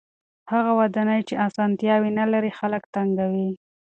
هغه ودانۍ چې اسانتیاوې نلري خلک تنګوي.